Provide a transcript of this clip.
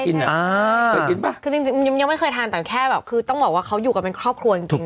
เคยกินป่ะคือจริงจริงยังไม่เคยทานแต่แค่แบบคือต้องบอกว่าเขาอยู่กันเป็นครอบครัวจริงจริง